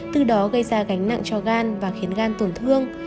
từ đó gây ra gánh nặng cho gan và khiến gan tổn thương